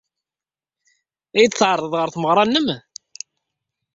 Ad iyi-d-tɛerḍed ɣer tmeɣra-nnem?